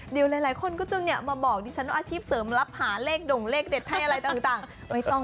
เดี๋ยวหลายคนก็จะมาบอกดิฉันว่าอาชีพเสริมรับหาเลขด่งเลขเด็ดให้อะไรต่าง